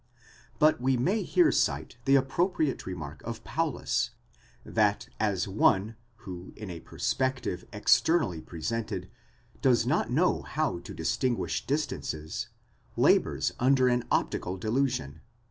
1 But we may here cite the appropriate remark of Paulus,? that as one, who in a perspective externally presented, does not know how to distinguish distances, labours under an optical delusion, 1.